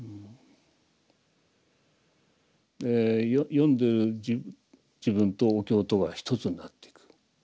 読んでる自分とお経とが一つになっていく。